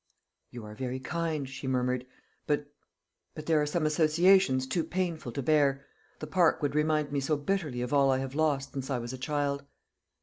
"You are very kind," she murmured; "but but there are some associations too painful to bear. The park would remind me so bitterly of all I have lost since I was a child."